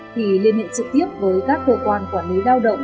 thì liên hệ trực tiếp với các cơ quan quản lý lao động